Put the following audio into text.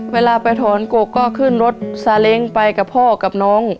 เวลาไปถอนกกก็ขึ้นรถซาเล้งไปกับพ่อกับน้อง